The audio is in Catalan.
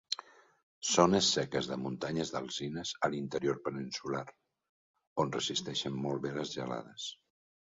Zones seques de muntanyes d'alzines a l'interior peninsular, on resisteixen molt bé les gelades.